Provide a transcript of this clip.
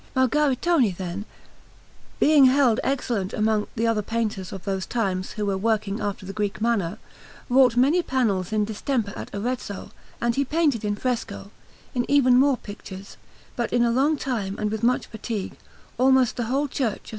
Margaritone, then, being held excellent among the other painters of these times who were working after the Greek manner, wrought many panels in distemper at Arezzo, and he painted in fresco in even more pictures, but in a long time and with much fatigue almost the whole Church of S.